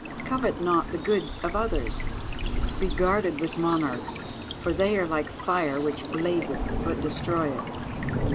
"Covet not the goods of others. "Be guarded with monarchs, for they are like fire which blazeth but destroyeth.